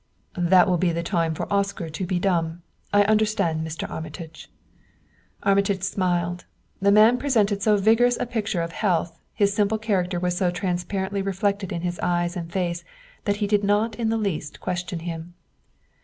"That will be the time for Oscar to be dumb. I understand, Mr. Armitage." Armitage smiled. The man presented so vigorous a picture of health, his simple character was so transparently reflected in his eyes and face that he did not in the least question him.